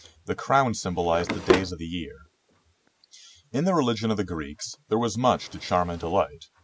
The crowns symbol ized the days of the year. In the religion of the Greeks there was much to charm and delight.